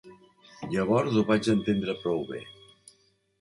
Llavors ho vaig entendre prou bé.